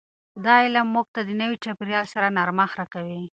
دا علم موږ ته د نوي چاپیریال سره نرمښت راکوي.